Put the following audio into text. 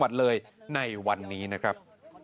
สวัสดีครับ